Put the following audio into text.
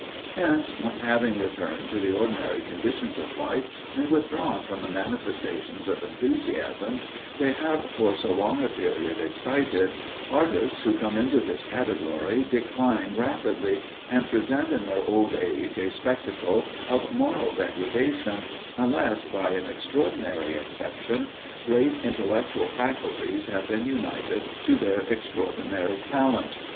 Hence, when, having returned to the ordinary conditions of life, and withdrawn from the manifestations of enthusiasm they have for so long a period excited, artists who come into this category decline rapidly, and present in their old age a spectacle of moral degradation, unless, by an extraordinary exception, great intellectual faculties have been united to their extraordinary talent.